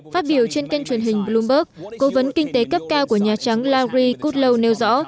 phát biểu trên kênh truyền hình bloomberg cố vấn kinh tế cấp cao của nhà trắng lari kutlow nêu rõ